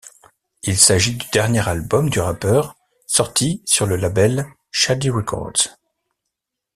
Il s'agit du dernier album du rappeur sorti sur le label Shady Records.